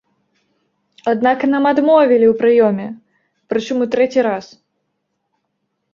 Аднак нам адмовілі ў прыёме, прычым у трэці раз.